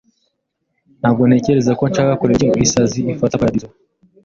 Ntabwo ntekereza ko nshaka kureba icyo isazi ifata paradizo.